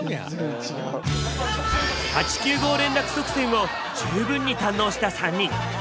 ８・９号連絡側線を十分に堪能した３人。